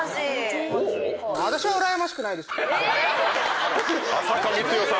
全然うらやましくないです。